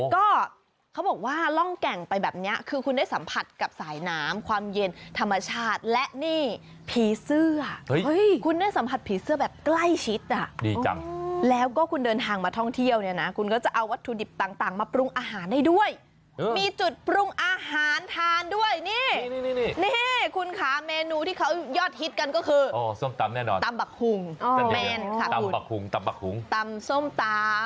ก็เขาบอกว่าร่องแก่งไปแบบนี้คือคุณได้สัมผัสกับสายน้ำความเย็นธรรมชาติและนี่ผีเสื้อคุณได้สัมผัสผีเสื้อแบบใกล้ชิดอ่ะดีจังแล้วก็คุณเดินทางมาท่องเที่ยวเนี่ยนะคุณก็จะเอาวัตถุดิบต่างมาปรุงอาหารได้ด้วยมีจุดปรุงอาหารทานด้วยนี่นี่คุณค่ะเมนูที่เขายอดฮิตกันก็คือส้มตำแน่นอนตำบักหุงแมนค่ะ